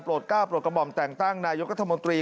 ก้าวโปรดกระหม่อมแต่งตั้งนายกรัฐมนตรี